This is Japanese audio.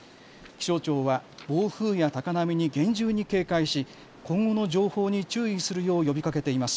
気象庁は暴風や高波に厳重に警戒し今後の情報に注意するよう呼びかけています。